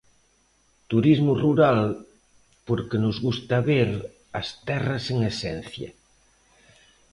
Turismo rural porque nos gusta ver as terras en esencia.